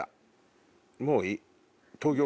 もういい。